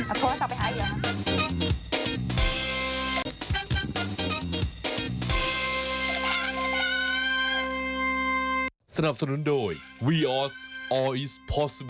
เอาโทรแล้วต่อไปหาอีกเดี๋ยวครับ